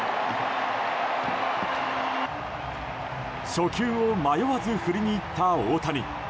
初球を迷わず振りにいった大谷。